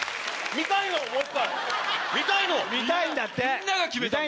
みんなが決めたから。